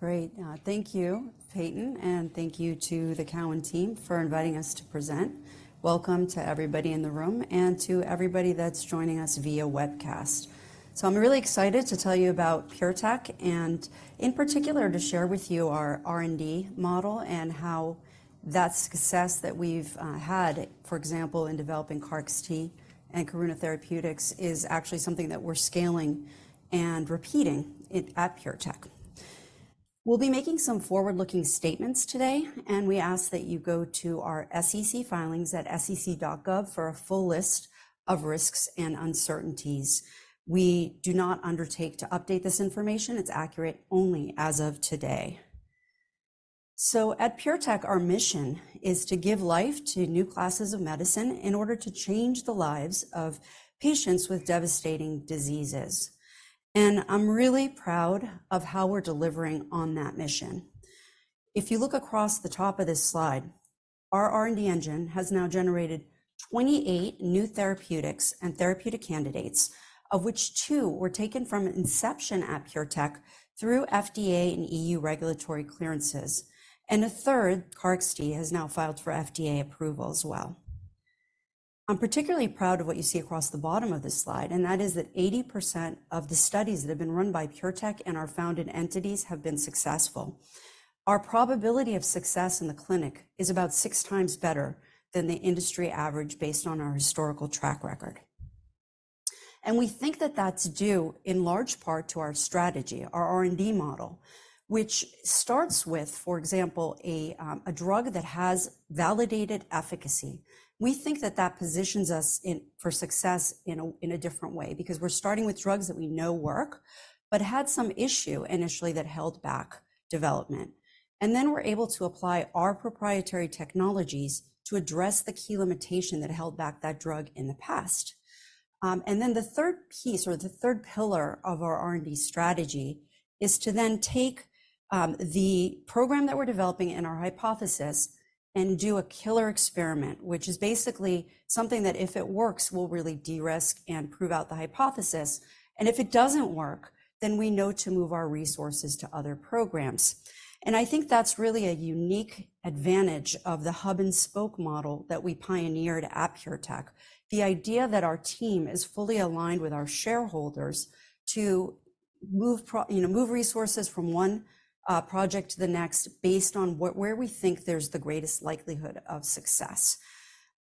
Great. Thank you, Peyton, and thank you to the Cowen team for inviting us to present. Welcome to everybody in the room and to everybody that's joining us via webcast. So I'm really excited to tell you about PureTech, and in particular, to share with you our R&D model and how that success that we've had, for example, in developing KarXT and Karuna Therapeutics, is actually something that we're scaling and repeating it at PureTech. We'll be making some forward-looking statements today, and we ask that you go to our SEC filings at sec.gov for a full list of risks and uncertainties. We do not undertake to update this information. It's accurate only as of today. So at PureTech, our mission is to give life to new classes of medicine in order to change the lives of patients with devastating diseases, and I'm really proud of how we're delivering on that mission. If you look across the top of this slide, our R&D engine has now generated 28 new therapeutics and therapeutic candidates, of which two were taken from inception at PureTech through FDA and EU regulatory clearances, and a third, KarXT, has now filed for FDA approval as well. I'm particularly proud of what you see across the bottom of this slide, and that is that 80% of the studies that have been run by PureTech and our founded entities have been successful. Our probability of success in the clinic is about six times better than the industry average based on our historical track record. We think that that's due in large part to our strategy, our R&D model, which starts with, for example, a drug that has validated efficacy. We think that that positions us in for success in a different way, because we're starting with drugs that we know work, but had some issue initially that held back development. And then we're able to apply our proprietary technologies to address the key limitation that held back that drug in the past. And then the third piece, or the third pillar of our R&D strategy, is to then take the program that we're developing and our hypothesis and do a killer experiment, which is basically something that, if it works, will really de-risk and prove out the hypothesis, and if it doesn't work, then we know to move our resources to other programs. And I think that's really a unique advantage of the hub-and-spoke model that we pioneered at PureTech. The idea that our team is fully aligned with our shareholders to move you know, move resources from one, project to the next based on what, where we think there's the greatest likelihood of success.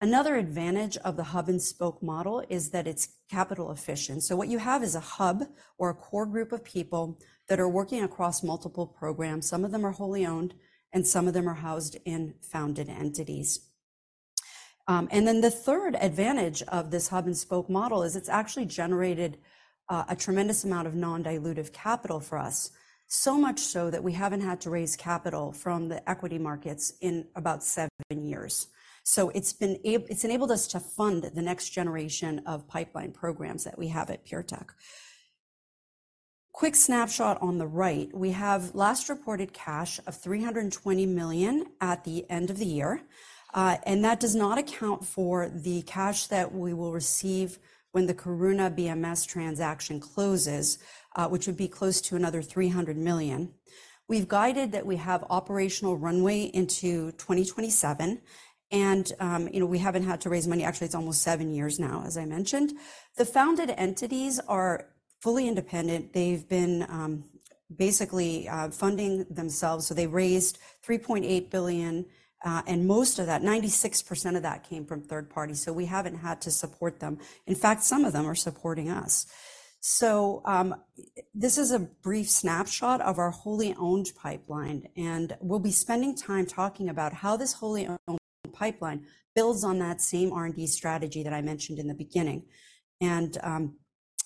Another advantage of the hub-and-spoke model is that it's capital efficient. So what you have is a hub or a core group of people that are working across multiple programs. Some of them are wholly owned, and some of them are housed in founded entities. And then the third advantage of this hub-and-spoke model is it's actually generated a tremendous amount of non-dilutive capital for us, so much so that we haven't had to raise capital from the equity markets in about seven years. So it's enabled us to fund the next generation of pipeline programs that we have at PureTech. Quick snapshot on the right. We have last reported cash of $320 million at the end of the year, and that does not account for the cash that we will receive when the Karuna BMS transaction closes, which would be close to another $300 million. We've guided that we have operational runway into 2027, and, you know, we haven't had to raise money actually, it's almost seven years now, as I mentioned. The founded entities are fully independent. They've been, basically, funding themselves, so they raised $3.8 billion, and most of that, 96% of that, came from third party, so we haven't had to support them. In fact, some of them are supporting us. So, this is a brief snapshot of our wholly owned pipeline, and we'll be spending time talking about how this wholly owned pipeline builds on that same R&D strategy that I mentioned in the beginning. And,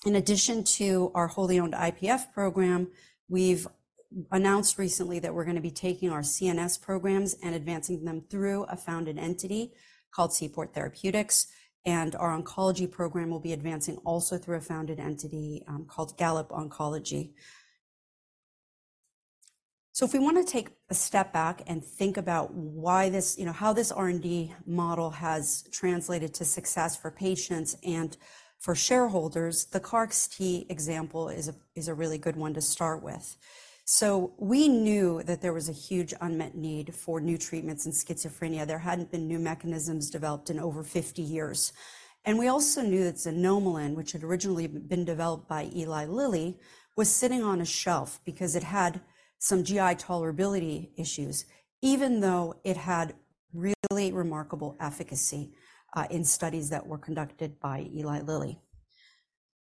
in addition to our wholly-owned IPF program, we've announced recently that we're gonna be taking our CNS programs and advancing them through a founded entity called Seaport Therapeutics, and our oncology program will be advancing also through a founded entity, called Gallop Oncology. So if we want to take a step back and think about why this, you know, how this R&D model has translated to success for patients and for shareholders, the KarXT example is a really good one to start with. So we knew that there was a huge unmet need for new treatments in schizophrenia. There hadn't been new mechanisms developed in over 50 years. And we also knew that xanomeline, which had originally been developed by Eli Lilly, was sitting on a shelf because it had some GI tolerability issues, even though it had really remarkable efficacy in studies that were conducted by Eli Lilly.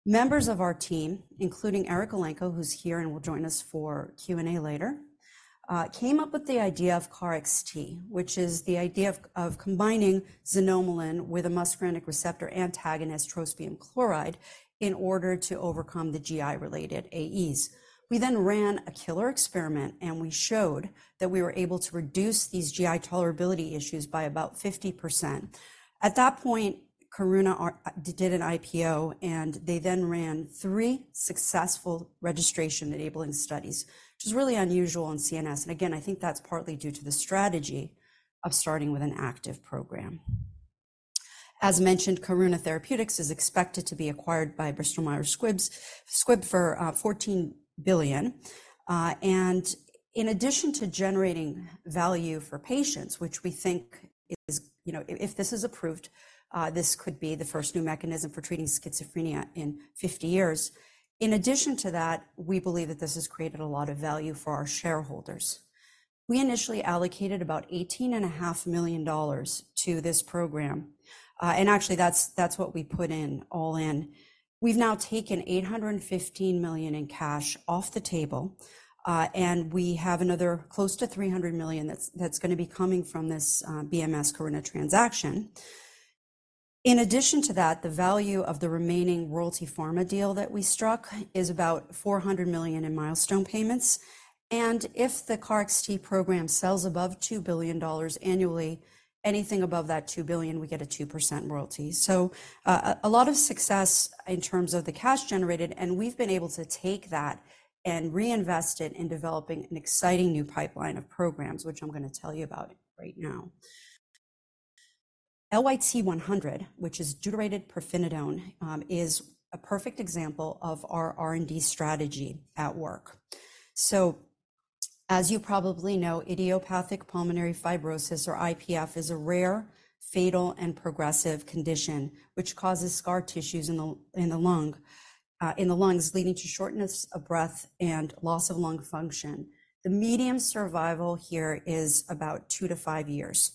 Members of our team, including Eric Elenko, who's here and will join us for Q&A later, came up with the idea of KarXT, which is the idea of, of combining xanomeline with a muscarinic receptor antagonist, trospium chloride, in order to overcome the GI-related AEs. We then ran a killer experiment, and we showed that we were able to reduce these GI tolerability issues by about 50%. At that point, Karuna did an IPO, and they then ran three successful registration-enabling studies, which is really unusual in CNS. And again, I think that's partly due to the strategy of starting with an active program. As mentioned, Karuna Therapeutics is expected to be acquired by Bristol Myers Squibb for $14 billion. And in addition to generating value for patients, which we think is, you know, if this is approved, this could be the first new mechanism for treating schizophrenia in 50 years. In addition to that, we believe that this has created a lot of value for our shareholders. We initially allocated about $18.5 million to this program. And actually, that's, that's what we put in, all in. We've now taken $815 million in cash off the table, and we have another close to $300 million that's, that's gonna be coming from this BMS Karuna transaction. In addition to that, the value of the remaining Royalty Pharma deal that we struck is about $400 million in milestone payments. And if the KarXT program sells above $2 billion annually, anything above that $2 billion, we get a 2% royalty. So, a lot of success in terms of the cash generated, and we've been able to take that and reinvest it in developing an exciting new pipeline of programs, which I'm gonna tell you about right now. LYT-100, which is deuterated pirfenidone, is a perfect example of our R&D strategy at work. So as you probably know, idiopathic pulmonary fibrosis, or IPF, is a rare, fatal, and progressive condition, which causes scar tissues in the lung, in the lungs, leading to shortness of breath and loss of lung function. The median survival here is about two to five years,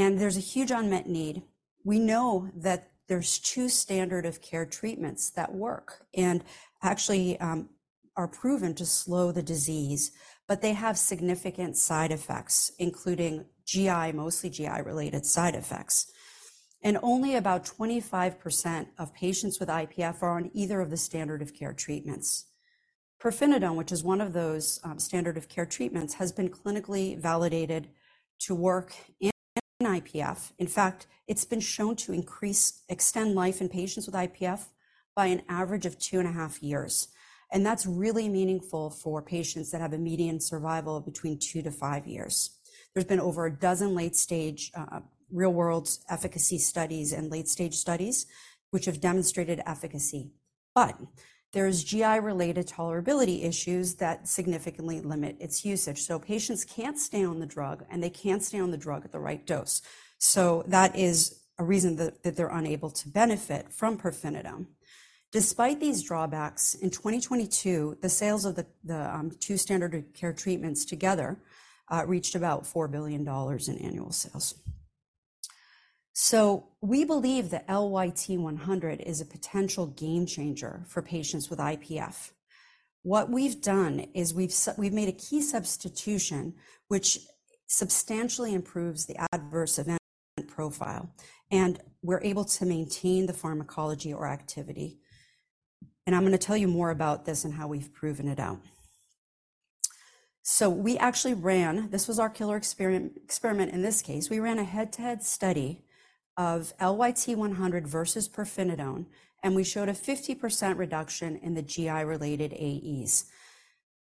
and there's a huge unmet need. We know that there's two standard of care treatments that work and actually are proven to slow the disease, but they have significant side effects, including GI, mostly GI-related side effects. And only about 25% of patients with IPF are on either of the standard of care treatments. Pirfenidone, which is one of those standard of care treatments, has been clinically validated to work in IPF. In fact, it's been shown to extend life in patients with IPF by an average of two and half years. And that's really meaningful for patients that have a median survival of between two to five years. There's been over 12 late-stage real-world efficacy studies and late-stage studies which have demonstrated efficacy, but there's GI-related tolerability issues that significantly limit its usage. So patients can't stay on the drug, and they can't stay on the drug at the right dose. So that is a reason that they're unable to benefit from pirfenidone. Despite these drawbacks, in 2022, the sales of the two standard of care treatments together reached about $4 billion in annual sales. So we believe that LYT-100 is a potential game changer for patients with IPF. What we've done is we've made a key substitution, which substantially improves the adverse event profile, and we're able to maintain the pharmacology or activity. And I'm gonna tell you more about this and how we've proven it out. So we actually ran. This was our killer experiment in this case. We ran a head-to-head study of LYT-100 versus pirfenidone, and we showed a 50% reduction in the GI-related AEs.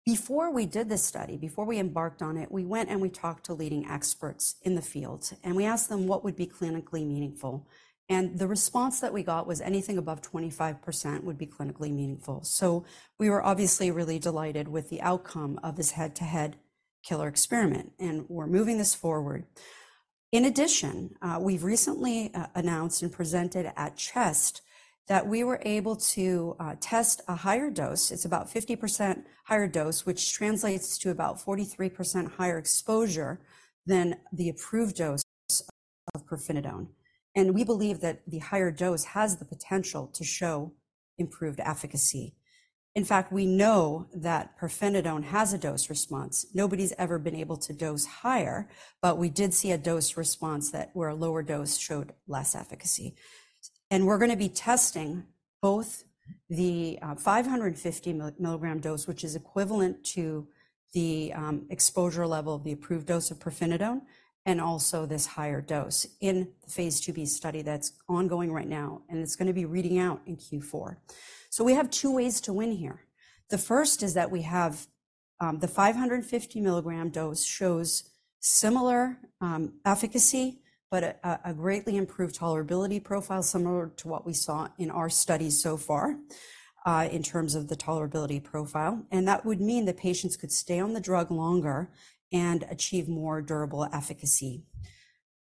Before we did this study, before we embarked on it, we went and we talked to leading experts in the field, and we asked them what would be clinically meaningful. The response that we got was anything above 25% would be clinically meaningful. So we were obviously really delighted with the outcome of this head-to-head killer experiment, and we're moving this forward. In addition, we've recently announced and presented at CHEST that we were able to test a higher dose. It's about 50% higher dose, which translates to about 43% higher exposure than the approved dose of pirfenidone. We believe that the higher dose has the potential to show improved efficacy. In fact, we know that pirfenidone has a dose response. Nobody's ever been able to dose higher, but we did see a dose response that, where a lower dose showed less efficacy. We're gonna be testing both the 550 mg dose, which is equivalent to the exposure level of the approved dose of pirfenidone, and also this higher dose in the phase II-B study that's ongoing right now, and it's gonna be reading out in Q4. We have two ways to win here. The first is that we have the 550 mg dose shows similar efficacy, but a greatly improved tolerability profile, similar to what we saw in our studies so far, in terms of the tolerability profile. That would mean that patients could stay on the drug longer and achieve more durable efficacy.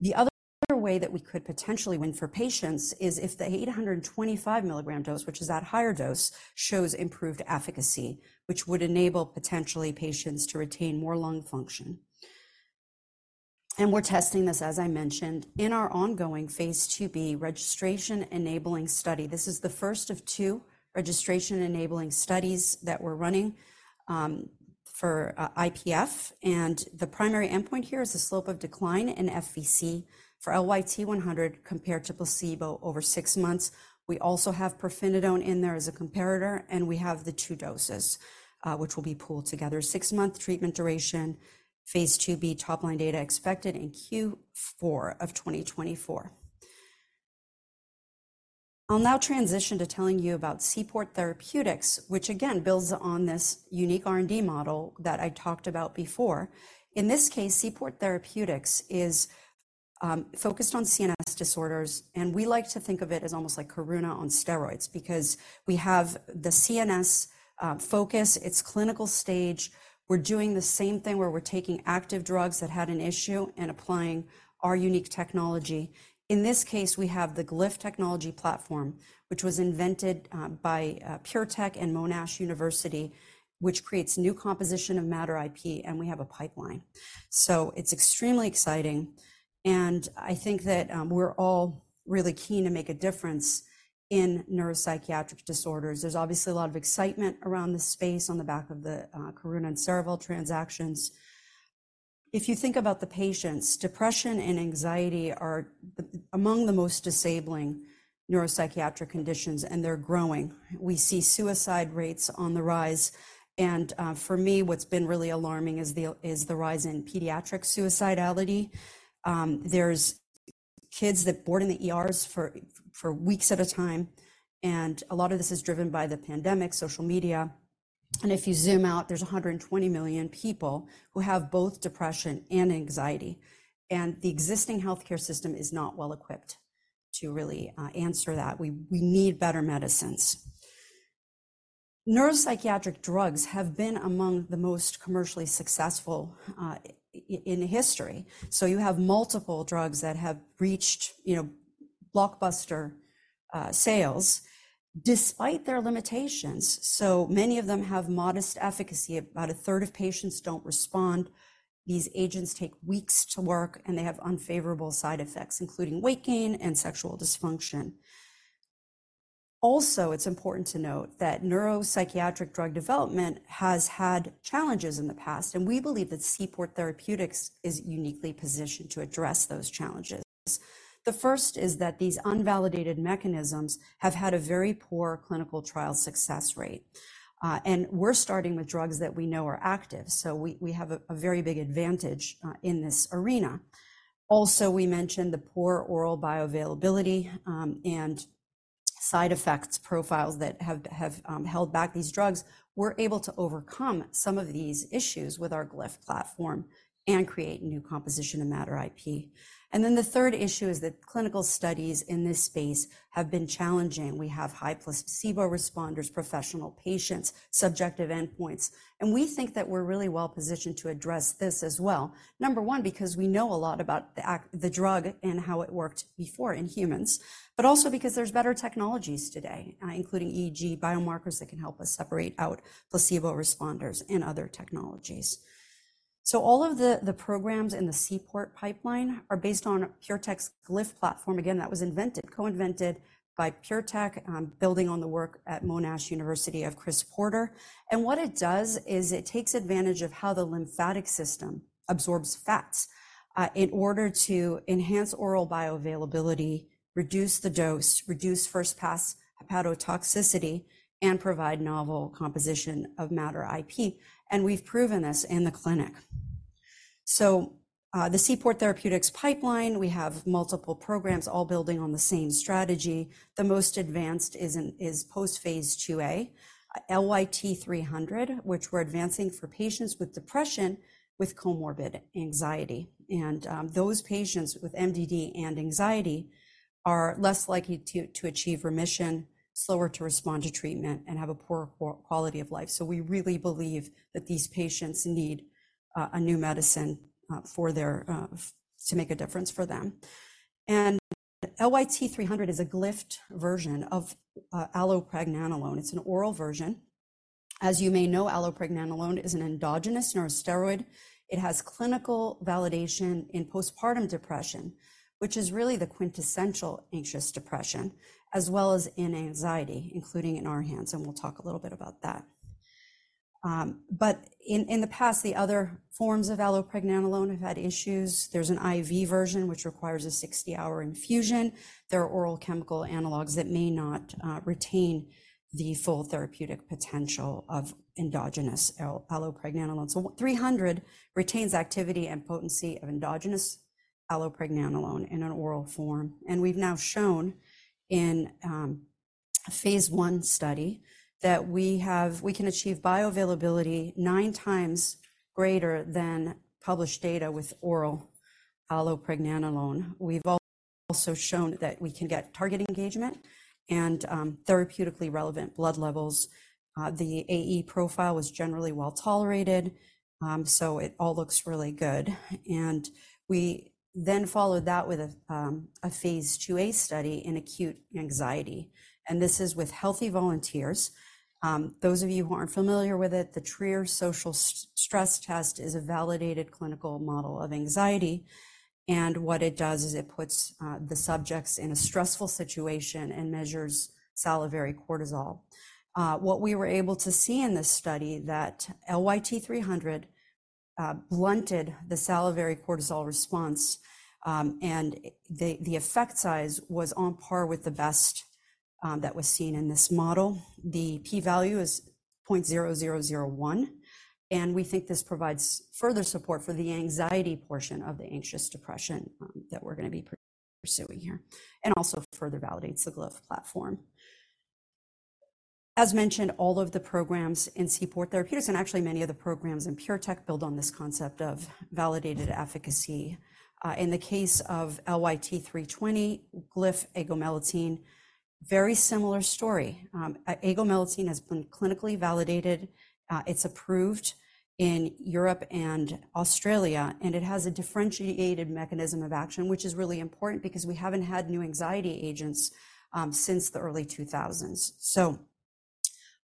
The other way that we could potentially win for patients is if the 825 mg dose, which is that higher dose, shows improved efficacy, which would enable potentially patients to retain more lung function. We're testing this, as I mentioned, in our ongoing phase II-B registration-enabling study. This is the first of two registration-enabling studies that we're running for IPF, and the primary endpoint here is the slope of decline in FVC for LYT-100 compared to placebo over six months. We also have pirfenidone in there as a comparator, and we have the two doses, which will be pooled together. Six-month treatment duration, phase II-B top-line data expected in Q4 of 2024. I'll now transition to telling you about Seaport Therapeutics, which again builds on this unique R&D model that I talked about before. In this case, Seaport Therapeutics is focused on CNS disorders, and we like to think of it as almost like Karuna on steroids because we have the CNS focus, it's clinical stage. We're doing the same thing where we're taking active drugs that had an issue and applying our unique technology. In this case, we have the Glyph technology platform, which was invented by PureTech and Monash University, which creates new composition of matter IP, and we have a pipeline. So it's extremely exciting, and I think that we're all really keen to make a difference in neuropsychiatric disorders. There's obviously a lot of excitement around the space on the back of the Karuna and Cerevel transactions. If you think about the patients, depression and anxiety are among the most disabling neuropsychiatric conditions, and they're growing. We see suicide rates on the rise, and for me, what's been really alarming is the rise in pediatric suicidality. There's kids that board in the ERs for weeks at a time, and a lot of this is driven by the pandemic, social media. If you zoom out, there's 120 million people who have both depression and anxiety, and the existing healthcare system is not well equipped to really answer that. We need better medicines. Neuropsychiatric drugs have been among the most commercially successful in history. So you have multiple drugs that have reached, you know, blockbuster sales despite their limitations. So many of them have modest efficacy. About a third of patients don't respond. These agents take weeks to work, and they have unfavorable side effects, including weight gain and sexual dysfunction. Also, it's important to note that neuropsychiatric drug development has had challenges in the past, and we believe that Seaport Therapeutics is uniquely positioned to address those challenges. The first is that these unvalidated mechanisms have had a very poor clinical trial success rate, and we're starting with drugs that we know are active, so we have a very big advantage in this arena. Also, we mentioned the poor oral bioavailability and side effects profiles that have held back these drugs. We're able to overcome some of these issues with our Glyph platform and create new composition of matter IP. And then the third issue is that clinical studies in this space have been challenging. We have high placebo responders, professional patients, subjective endpoints, and we think that we're really well positioned to address this as well. Number 1, because we know a lot about the drug and how it worked before in humans, but also because there's better technologies today, including EEG biomarkers that can help us separate out placebo responders and other technologies. So all of the, the programs in the Seaport Therapeutics pipeline are based on PureTech's Glyph platform. Again, that was invented, co-invented by PureTech, building on the work at Monash University of Chris Porter. And what it does is it takes advantage of how the lymphatic system absorbs fats, in order to enhance oral bioavailability, reduce the dose, reduce first-pass hepatotoxicity, and provide novel composition of matter IP, and we've proven this in the clinic. So, the Seaport Therapeutics pipeline, we have multiple programs all building on the same strategy. The most advanced is post phase II-A, LYT-300, which we're advancing for patients with depression, with comorbid anxiety. Those patients with MDD and anxiety are less likely to achieve remission, slower to respond to treatment, and have a poor quality of life. So we really believe that these patients need a new medicine for their, to make a difference for them. And LYT-300 is a Glyph version of allopregnanolone. It's an oral version. As you may know, allopregnanolone is an endogenous neurosteroid. It has clinical validation in postpartum depression, which is really the quintessential anxious depression, as well as in anxiety, including in our hands, and we'll talk a little bit about that. But in the past, the other forms of allopregnanolone have had issues. There's an IV version which requires a 60-hour infusion. There are oral chemical analogs that may not retain the full therapeutic potential of endogenous allopregnanolone. So 300 retains activity and potency of endogenous allopregnanolone in an oral form, and we've now shown in a phase I study that we can achieve bioavailability 9x greater than published data with oral allopregnanolone. We've also shown that we can get target engagement and therapeutically relevant blood levels. The AE profile was generally well tolerated, so it all looks really good. We then followed that with a phase II-A study in acute anxiety, and this is with healthy volunteers. Those of you who aren't familiar with it, the Trier Social Stress Test is a validated clinical model of anxiety, and what it does is it puts the subjects in a stressful situation and measures salivary cortisol. What we were able to see in this study that LYT-300 blunted the salivary cortisol response, and the effect size was on par with the best that was seen in this model. The p-value is 0.0001, and we think this provides further support for the anxiety portion of the anxious depression that we're gonna be pursuing here, and also further validates the Glyph platform. As mentioned, all of the programs in Seaport Therapeutics, and actually many of the programs in PureTech, build on this concept of validated efficacy. In the case of LYT-320, Glyph agomelatine, very similar story. Agomelatine has been clinically validated, it's approved in Europe and Australia, and it has a differentiated mechanism of action, which is really important because we haven't had new anxiety agents since the early 2000s. So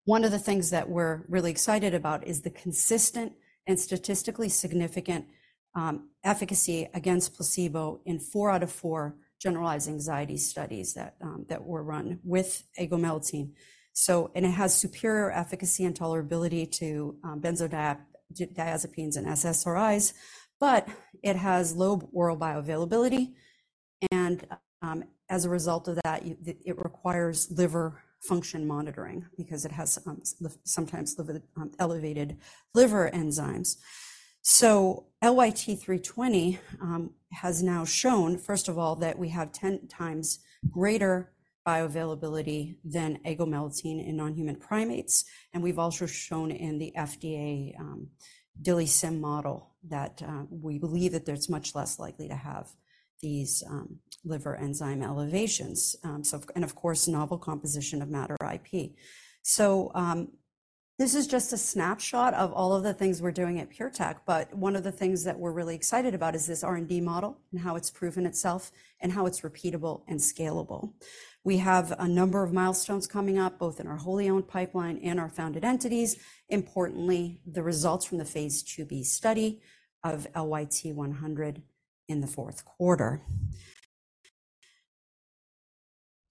one of the things that we're really excited about is the consistent and statistically significant efficacy against placebo in four out of four generalized anxiety studies that were run with agomelatine. And it has superior efficacy and tolerability to benzodiazepines and SSRIs, but it has low oral bioavailability, and as a result of that, it requires liver function monitoring because it has sometimes elevated liver enzymes. So LYT-320 has now shown, first of all, that we have 10x greater bioavailability than agomelatine in non-human primates, and we've also shown in the FDA DILIsym model that we believe that there's much less likely to have these liver enzyme elevations. So, and of course, novel composition of matter IP. So, this is just a snapshot of all of the things we're doing at PureTech, but one of the things that we're really excited about is this R&D model and how it's proven itself and how it's repeatable and scalable. We have a number of milestones coming up, both in our wholly owned pipeline and our founded entities. Importantly, the results from the phase II-B study of LYT-100 in the fourth quarter.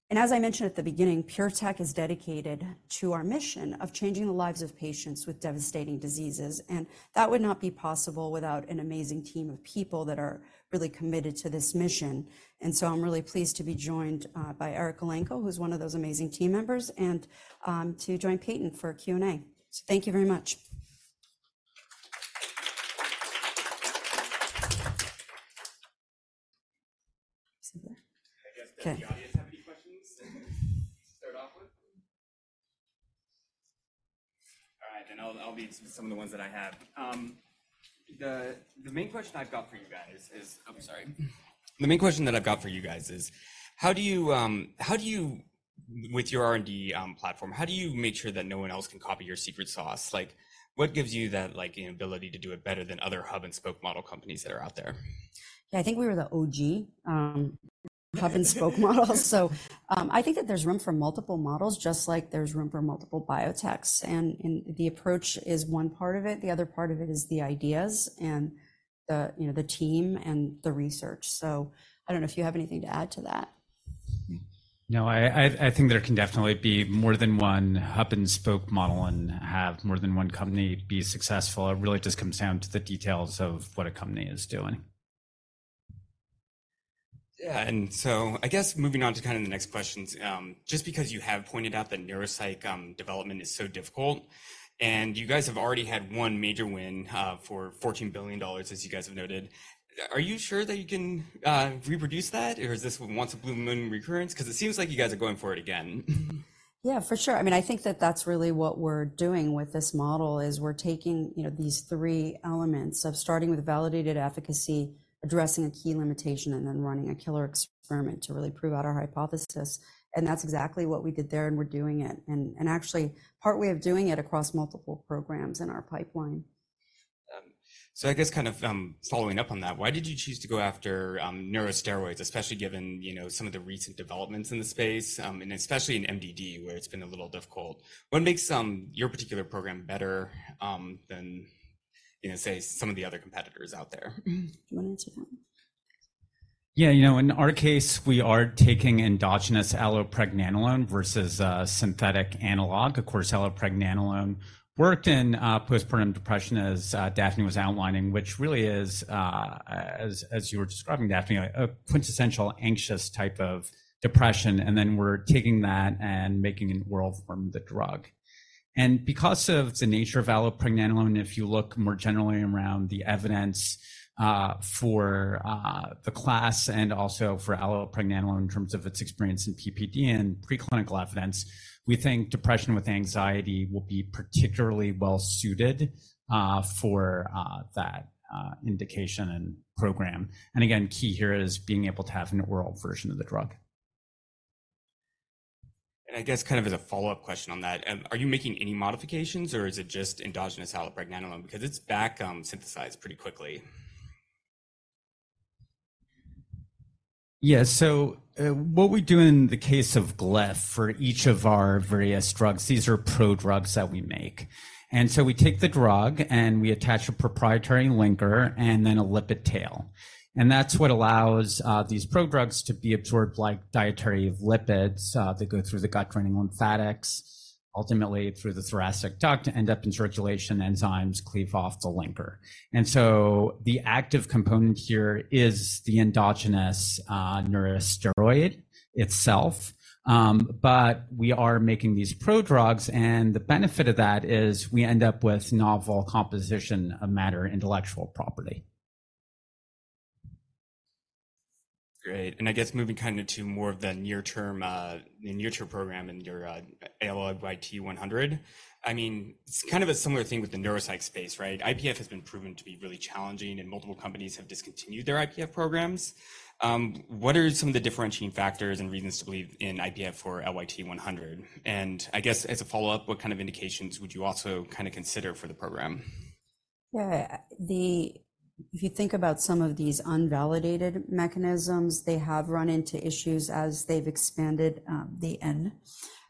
And as I mentioned at the beginning, PureTech is dedicated to our mission of changing the lives of patients with devastating diseases, and that would not be possible without an amazing team of people that are really committed to this mission. And so I'm really pleased to be joined by Eric Elenko, who's one of those amazing team members, and to join Peyton for Q&A. So thank you very much. So yeah. Okay. I guess, does the audience have any questions to start off with? All right, then I'll read some of the ones that I have. The main question I've got for you guys is: how do you, how do you, with your R&D platform, how do you make sure that no one else can copy your secret sauce? Like, what gives you that, like, ability to do it better than other hub-and-spoke model companies that are out there? Yeah, I think we were the OG hub-and-spoke model. So, I think that there's room for multiple models, just like there's room for multiple biotechs, and the approach is one part of it. The other part of it is the ideas and the, you know, the team and the research. So I don't know if you have anything to add to that. No, I think there can definitely be more than one hub-and-spoke model and have more than one company be successful. It really just comes down to the details of what a company is doing. Yeah, and so I guess moving on to kind of the next questions, just because you have pointed out that neuropsych development is so difficult, and you guys have already had one major win for $14 billion, as you guys have noted, are you sure that you can reproduce that, or is this a once a blue moon recurrence? Because it seems like you guys are going for it again. Yeah, for sure. I mean, I think that that's really what we're doing with this model is we're taking, you know, these three elements of starting with validated efficacy, addressing a key limitation, and then running a killer experiment to really prove out our hypothesis. And that's exactly what we did there, and we're doing it, and, and actually part way of doing it across multiple programs in our pipeline. So I guess kind of, following up on that, why did you choose to go after, neurosteroids, especially given, you know, some of the recent developments in the space, and especially in MDD, where it's been a little difficult? What makes, your particular program better, than, you know, say, some of the other competitors out there? Mm-hmm. Do you want to answer that? Yeah, you know, in our case, we are taking endogenous allopregnanolone versus synthetic analog. Of course, allopregnanolone worked in postpartum depression, as Daphne was outlining, which really is as you were describing, Daphne, a quintessential anxious type of depression, and then we're taking that and making an oral form of the drug. And because of the nature of allopregnanolone, if you look more generally around the evidence for the class and also for allopregnanolone in terms of its experience in PPD and preclinical evidence, we think depression with anxiety will be particularly well suited for that indication and program. And again, key here is being able to have an oral version of the drug. I guess kind of as a follow-up question on that, are you making any modifications, or is it just endogenous allopregnanolone? Because it's synthesized pretty quickly. Yeah, so, what we do in the case of Glyph for each of our various drugs, these are prodrugs that we make. And so we take the drug, and we attach a proprietary linker and then a lipid tail. And that's what allows these prodrugs to be absorbed like dietary lipids that go through the gut-draining lymphatics, ultimately through the thoracic duct, to end up in circulation, the enzymes cleave off the linker. And so the active component here is the endogenous neurosteroid itself. But we are making these prodrugs, and the benefit of that is we end up with novel composition of matter intellectual property. Great, and I guess moving kind of to more of the near term, the near term program and your LYT-100. I mean, it's kind of a similar thing with the neuropsych space, right? IPF has been proven to be really challenging, and multiple companies have discontinued their IPF programs. What are some of the differentiating factors and reasons to believe in IPF for LYT-100? And I guess as a follow-up, what kind of indications would you also kind of consider for the program? Yeah, if you think about some of these unvalidated mechanisms, they have run into issues as they've expanded the n.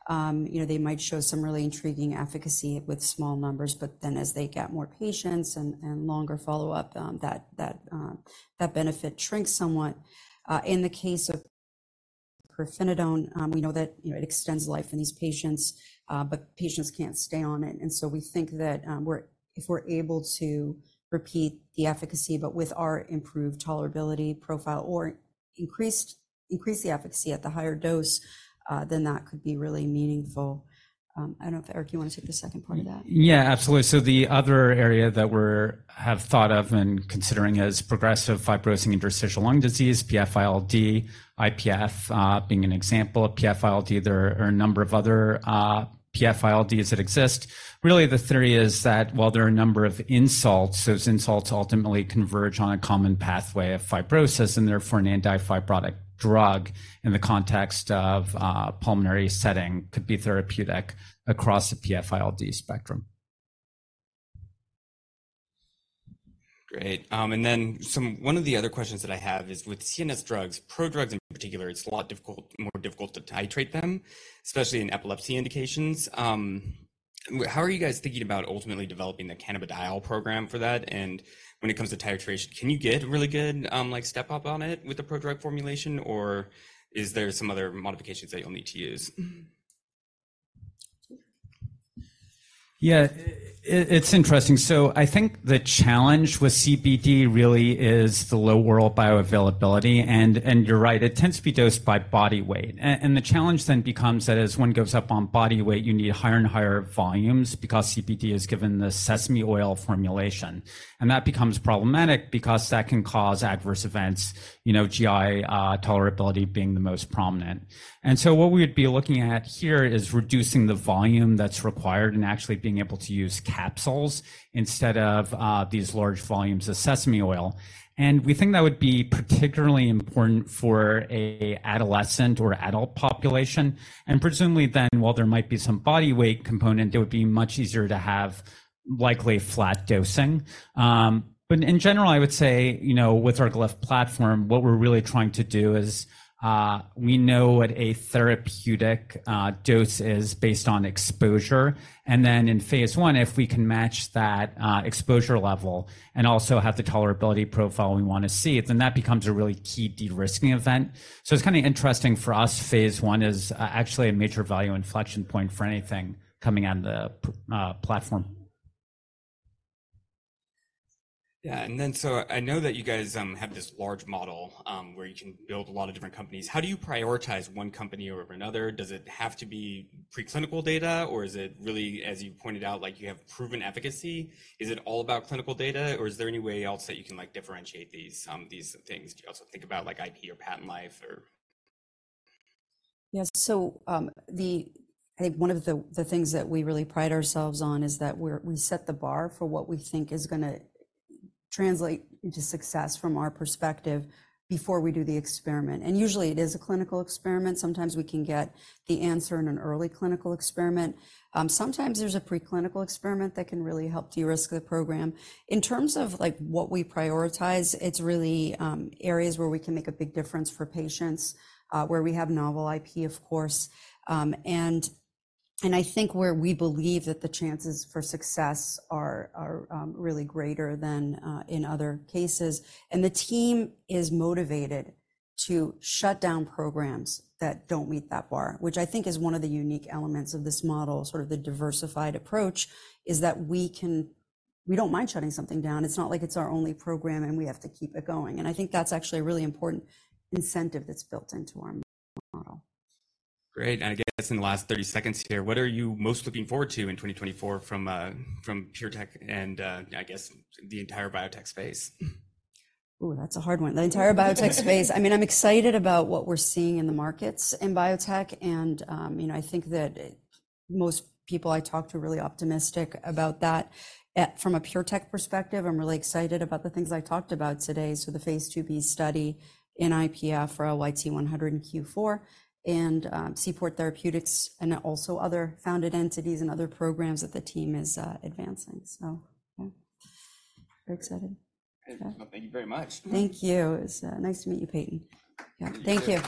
You know, they might show some really intriguing efficacy with small numbers, but then as they get more patients and longer follow-up, that benefit shrinks somewhat. In the case of pirfenidone, we know that, you know, it extends life in these patients, but patients can't stay on it. And so we think that, if we're able to repeat the efficacy, but with our improved tolerability profile or increased, increase the efficacy at the higher dose, then that could be really meaningful. I don't know if, Eric, you want to take the second part of that? Yeah, absolutely. So the other area that we're, have thought of and considering is progressive fibrosing interstitial lung disease, PF-ILD, IPF, being an example of PF-ILD. There are a number of other PF-ILDs that exist. Really, the theory is that while there are a number of insults, those insults ultimately converge on a common pathway of fibrosis, and therefore, an antifibrotic drug in the context of pulmonary setting, could be therapeutic across the PF-ILD spectrum. Great. And then one of the other questions that I have is with CNS drugs, prodrugs in particular, it's a lot difficult, more difficult to titrate them, especially in epilepsy indications. How are you guys thinking about ultimately developing the cannabidiol program for that? And when it comes to titration, can you get really good, like, step-up on it with the prodrug formulation, or is there some other modifications that you'll need to use? Mm-hmm. Yeah, it's interesting. So I think the challenge with CBD really is the low oral bioavailability, and, and you're right, it tends to be dosed by body weight. And the challenge then becomes that as one goes up on body weight, you need higher and higher volumes because CBD is given the sesame oil formulation. And that becomes problematic because that can cause adverse events, you know, GI tolerability being the most prominent. And so what we'd be looking at here is reducing the volume that's required and actually being able to use capsules instead of, these large volumes of sesame oil. And we think that would be particularly important for an adolescent or adult population. And presumably then, while there might be some body weight component, it would be much easier to have likely flat dosing. But in general, I would say, you know, with our Glyph platform, what we're really trying to do is, we know what a therapeutic dose is based on exposure, and then in phase I, if we can match that exposure level and also have the tolerability profile we want to see, then that becomes a really key de-risking event. So it's kind of interesting for us, phase I is actually a major value inflection point for anything coming on the platform. Yeah, and then, so I know that you guys have this large model where you can build a lot of different companies. How do you prioritize one company over another? Does it have to be preclinical data, or is it really, as you pointed out, like you have proven efficacy? Is it all about clinical data, or is there any way else that you can, like, differentiate these things? Do you also think about like IP or patent life or? Yeah, so, I think one of the things that we really pride ourselves on is that we set the bar for what we think is gonna translate into success from our perspective before we do the experiment. And usually, it is a clinical experiment. Sometimes we can get the answer in an early clinical experiment. Sometimes there's a preclinical experiment that can really help de-risk the program. In terms of like what we prioritize, it's really areas where we can make a big difference for patients, where we have novel IP, of course, and I think where we believe that the chances for success are really greater than in other cases. The team is motivated to shut down programs that don't meet that bar, which I think is one of the unique elements of this model, sort of the diversified approach, is that we can, we don't mind shutting something down. It's not like it's our only program, and we have to keep it going. And I think that's actually a really important incentive that's built into our model. Great. I guess in the last 30 seconds here, what are you most looking forward to in 2024 from PureTech and, I guess, the entire biotech space? Ooh, that's a hard one. The entire biotech space. I mean, I'm excited about what we're seeing in the markets in biotech, and, you know, I think that most people I talk to are really optimistic about that. From a PureTech perspective, I'm really excited about the things I talked about today, so the phase II-B study in IPF for LYT-100 in Q4, and, Seaport Therapeutics and also other founded entities and other programs that the team is, advancing. So, yeah, very excited. Well, thank you very much. Thank you. It's nice to meet you, Peyton. Yeah. Thank you.